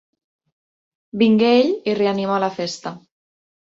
Vingué ell i reanimà la festa.